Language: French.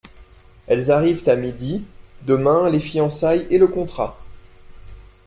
Elles arrivent à midi… demain les fiançailles et le contrat…